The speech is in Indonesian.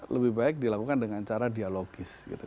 lebih baik dilakukan dengan cara dialogis gitu